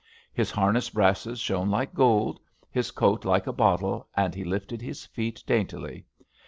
His harness brasses shone like gold, his coat like a bottle, and he lifted his feet daintily.